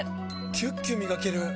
キュッキュ磨ける！